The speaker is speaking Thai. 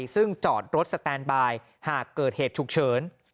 ซึ่งจอดรถสแตนบายหากเกิดเหตุฉุกเฉิน